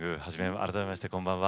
改めまして、こんばんは。